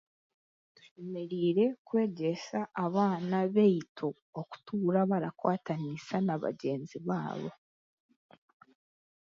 Tushemereire kwegyesa abaana baitu okutuura barakwataniisa n'abagyenzi baabo